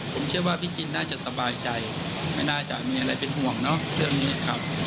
ผมเชื่อว่าพี่จินน่าจะสบายใจไม่น่าจะมีอะไรเป็นห่วงเนาะเรื่องนี้ครับ